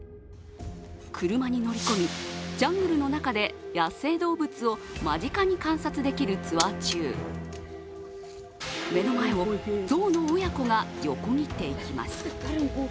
車に乗り込み、ジャングルの中で野生動物を間近に観察できるツアー中、目の前を象の親子が横切っていきます。